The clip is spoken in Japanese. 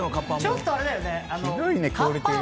ちょっとあれだよね。